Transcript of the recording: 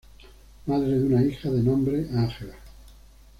Madre de una hija de nombre Ángela.